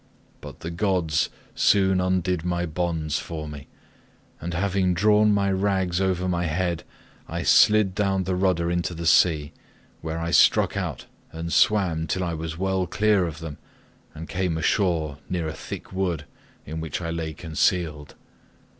But the gods soon undid my bonds for me, and having drawn my rags over my head I slid down the rudder into the sea, where I struck out and swam till I was well clear of them, and came ashore near a thick wood in which I lay concealed.